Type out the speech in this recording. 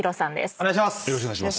お願いします。